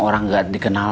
orang gak dikenal